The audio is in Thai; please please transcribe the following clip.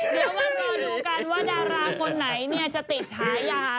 เดี๋ยวว่ารอดูกันว่าดาราคนไหนเนี่ยจะติดหายาอะไรบ้าง